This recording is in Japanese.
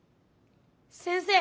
先生！